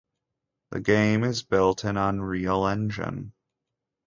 The game is built in Unreal Engine.